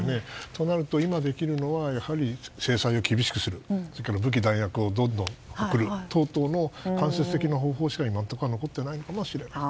となると、今できるのはやはり制裁を厳しくするそして武器弾薬をどんどん送るなどの間接的な方法しか今のところは残ってないのかもしれない。